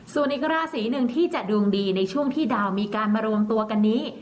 ส่วนอีกราศีหนึ่งที่จะดวงดีในช่วงที่ดาวมีการมารวมตัวกันนี้